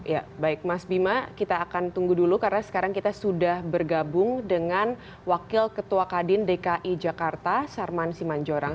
ya baik mas bima kita akan tunggu dulu karena sekarang kita sudah bergabung dengan wakil ketua kadin dki jakarta sarman simanjorang